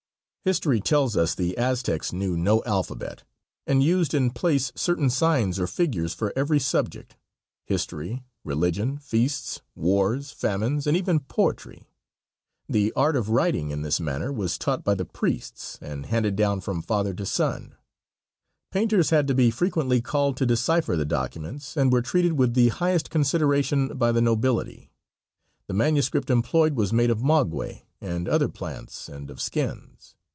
History tells us the Aztecs knew no alphabet, and used in place certain signs or figures for every subject history, religion, feasts, wars, famines, and even poetry. The art of writing in this manner was taught by the priests, and handed down from father to son. Painters had to be frequently called to decipher the documents, and were treated with the highest consideration by the nobility. The manuscript employed was made of maguey and other plants and of skins.